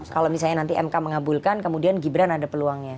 kalau misalnya nanti mk mengabulkan kemudian gibran ada peluangnya